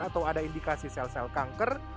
atau ada indikasi sel sel kanker